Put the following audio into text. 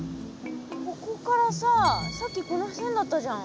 ここからささっきこの線だったじゃん。